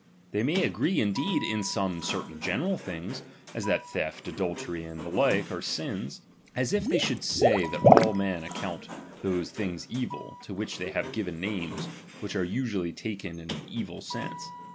They may agree indeed in some cer tain general things, as that theft, adultery, and the like are sins ; as if they should say that all men account those things evil, to which thay have given names which are usually taken in an evil sense.